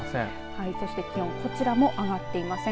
そして気温こちらも上がっていません。